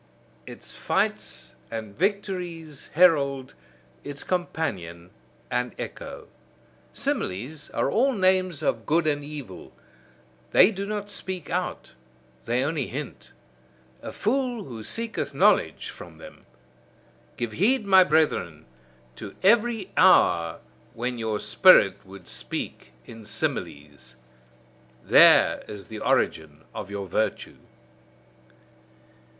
Its fights' and victories' herald, its companion and echo. Similes, are all names of good and evil; they do not speak out, they only hint. A fool who seeketh knowledge from them! Give heed, my brethren, to every hour when your spirit would speak in similes: there is the origin of your virtue.